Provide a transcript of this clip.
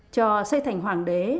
cho xây thành hoàng đế